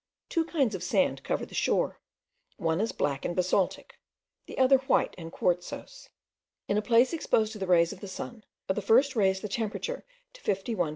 Two kinds of sand cover the shore; one is black and basaltic, the other white and quartzose. In a place exposed to the rays of the sun, the first raised the thermometer to 51.